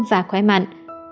và khỏe mạnh